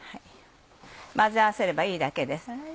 混ぜ合わせればいいだけです。